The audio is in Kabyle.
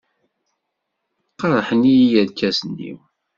Qerḥen-iyi yirkasen-iw.